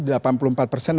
di indonesia itu